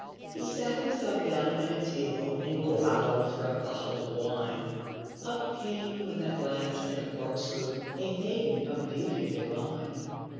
He sat himself down at a table, And growled for a bottle of wine; Up came with a flask and a corkscrew A maiden of beauty divine.